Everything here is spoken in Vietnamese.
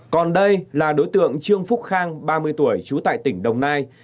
còn đây là đối tượng trương phúc khang ba mươi tuổi trú tại tỉnh đồng nai